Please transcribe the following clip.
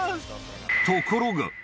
ところが。